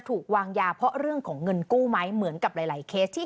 ถูกวางยาเพราะเรื่องของเงินกู้ไหมเหมือนกับหลายหลายเคสที่